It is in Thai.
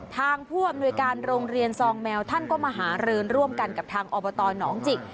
ทางพ่วนโดยการโรงเรียนซองแมวท่านก็มาหาเรินร่วมกันกับทางอบตนจิก